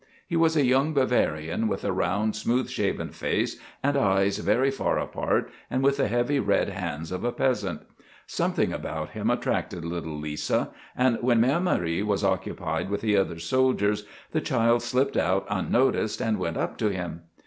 He was a young Bavarian, with a round, smooth shaven face and eyes very far apart, and with the heavy red hands of a peasant. Something about him attracted little Lisa, and when Mère Marie was occupied with the other soldiers the child slipped out unnoticed and went up to him.